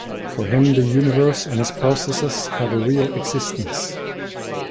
For him the universe and its processes have a real existence.